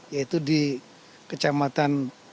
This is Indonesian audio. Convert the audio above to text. yaitu di kecamatan rote barat